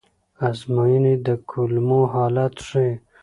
ازموینې د کولمو حالت ښيي.